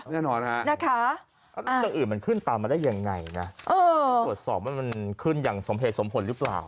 แน่นอนนะคะอ่าอืมมันขึ้นตามมาได้ยังไงนะโดยสอบมันขึ้นอย่างสมเหตุสมผลหรือเปล่า